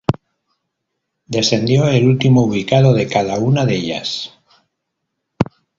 Descendió el último ubicado de cada una de ellas.